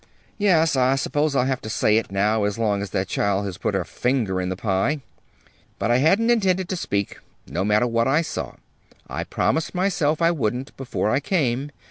"Yes, I suppose I'll have to say it now, as long as that child has put her finger in the pie. But I hadn't intended to speak, no matter what I saw. I promised myself I wouldn't, before I came.